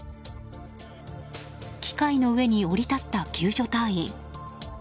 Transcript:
機械の上に降り立った救助隊員。